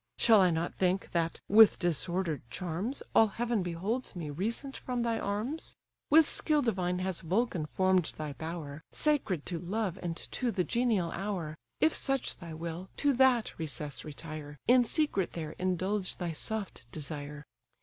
Shall I not think, that, with disorder'd charms, All heaven beholds me recent from thy arms? With skill divine has Vulcan form'd thy bower, Sacred to love and to the genial hour; If such thy will, to that recess retire, In secret there indulge thy soft desire."